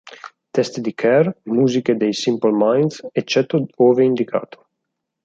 Testi di Kerr, musiche dei Simple Minds, eccetto ove indicato.